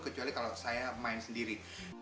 kecuali kalau saya main sendiri